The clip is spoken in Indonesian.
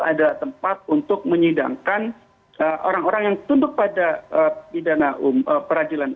adalah tempat untuk menyidangkan orang orang yang tunduk pada pidana peradilan